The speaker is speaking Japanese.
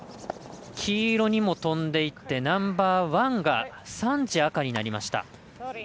黄色にも飛んでいってナンバーワンが３時、赤になりました。